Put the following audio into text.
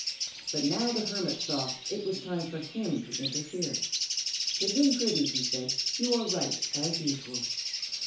But now the hermit saw that it was time for him to interfere. "Pigeon Pretty," he said, "you are right, as usual.